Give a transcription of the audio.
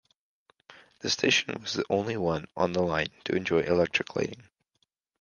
The station was the only one on the line to enjoy electric lighting.